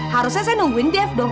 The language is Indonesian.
harusnya saya nungguin deve dong